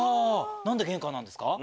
何で玄関なんですか？